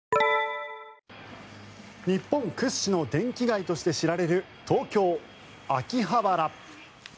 日本屈指の電気街として知られる東京・秋葉原。